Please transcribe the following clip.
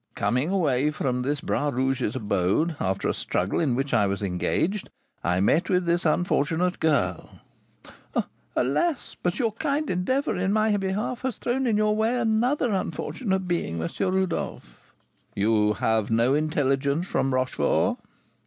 Coming away from this Bras Rouge's abode, after a struggle in which I was engaged, I met with this unfortunate girl " "Alas! but your kind endeavour in my behalf has thrown in your way another unfortunate being, M. Rodolph." "You have no intelligence from Rochefort?"